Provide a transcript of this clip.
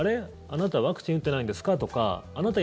あなたワクチン打ってないんですかとかあなた